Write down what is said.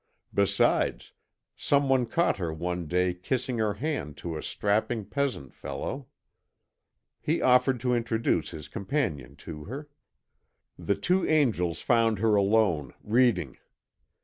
Besides, someone caught her one day kissing her hand to a strapping peasant fellow." He offered to introduce his companion to her. The two angels found her alone, reading.